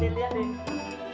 lihat lihat deh